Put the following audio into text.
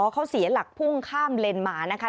เขาเสียหลักพุ่งข้ามเลนมานะคะ